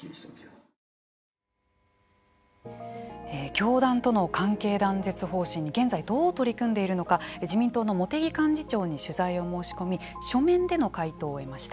教団との関係断絶方針に現在、どう取り組んでいるのか自民党の茂木幹事長に取材を申し込み書面での回答を得ました。